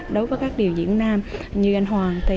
đối với các điều dưỡng nam như anh hoàng